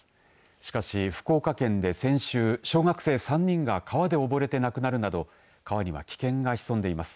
しかし、福岡県で先週小学生３人が川で溺れて亡くなるなど川には危険が潜んでいます。